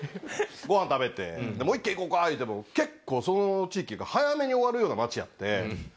ごはん食べてもう１軒行こうか言うても結構その地域が早めに終わるような町やって。